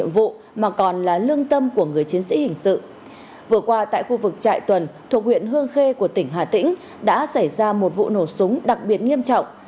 vừa qua tại khu vực trại tuần thuộc huyện hương khê của tỉnh hà tĩnh đã xảy ra một vụ nổ súng đặc biệt nghiêm trọng